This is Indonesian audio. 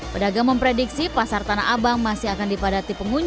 pedagang memprediksi pasar tanah abang masih akan dipadati pengunjung